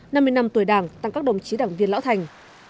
năm mươi năm tuổi đảng tặng các đồng chí đảng viên lão thành